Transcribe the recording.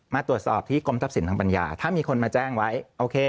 มาตรวจสอบที่กรมทรัพย์สินทางปัญญาถ้ามีคนมาแจ้งไว้โอเค